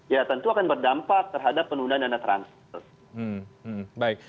ya tentu akan berdampak terhadap penundaan dana transaksi